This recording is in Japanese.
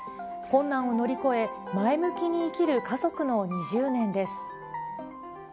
困難を乗り越え、前向きに生きる家族の２０年です。